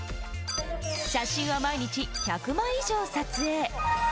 写真は毎日、１００枚以上撮影。